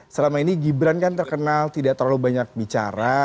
selama ini gibran kan terkenal tidak terlalu banyak bicara